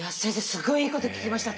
すごいいいこと聞きました。